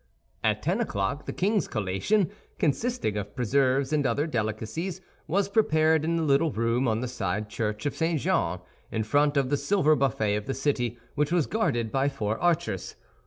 At ten o'clock, the king's collation, consisting of preserves and other delicacies, was prepared in the little room on the side of the church of St. Jean, in front of the silver buffet of the city, which was guarded by four archers.